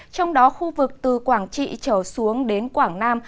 trong đó khu vực từ quảng trị trở xuống đến quảng nam